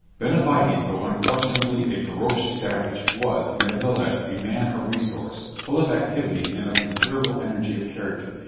Benavides, though unquestionably a ferocious savage, was, nevertheless, a man of resource, full of activity, and of considerable energy of character.